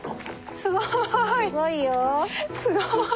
すごい。